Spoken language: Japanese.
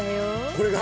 これが？